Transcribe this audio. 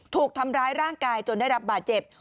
ถูกทำร้ายร่างกายจนได้รับบาดเจ็บ